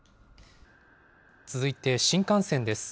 続いて新幹線です。